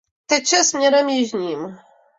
Teče směrem jižním.